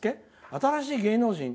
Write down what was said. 新しい芸能人？